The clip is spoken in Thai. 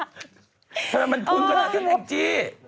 ทำไมมันพุงขนาดนั้นแองจี้